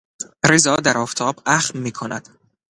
رضا در آفتاب اخم میکند.